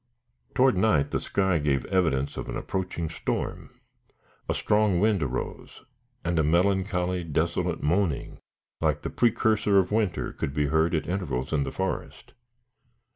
Toward night the sky gave evidence of an approaching storm. A strong wind arose, and a melancholy, desolate moaning, like the precursor of winter, could be heard at intervals in the forest.